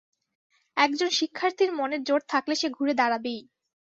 একজন শিক্ষার্থীর মনের জোর থাকলে সে ঘুরে দাঁড়াবেই।